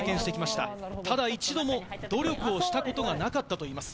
ただ一度も努力をしたことがなかったといいます。